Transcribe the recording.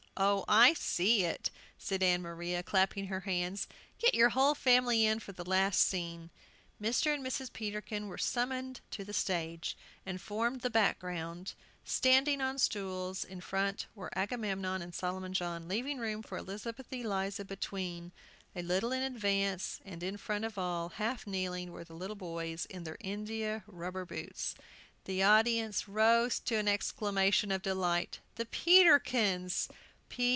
"Oh, I see it!" said Ann Maria, clapping her hands. "Get your whole family in for the last scene." Mr. and Mrs. Peterkin were summoned to the stage, and formed the background, standing on stools; in front were Agamemnon and Solomon John, leaving room for Elizabeth Eliza between; a little in advance, and in front of all, half kneeling, were the little boys, in their india rubber boots. The audience rose to an exclamation of delight, "The Peterkins!"